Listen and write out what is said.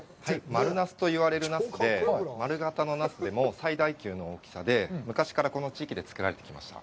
丸ナスといわれるナスで、丸形のナスでも最大級の大きさで、昔からこの地域で作られてきました。